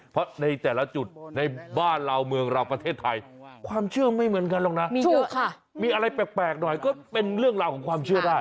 เพราะในแต่ละจุดในบ้านเราเมืองเราประเทศไทยความเชื่อไม่เหมือนกันหรอกนะมีอะไรแปลกหน่อยก็เป็นเรื่องราวของความเชื่อได้